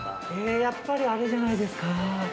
◆やっぱり、あれじゃないですか。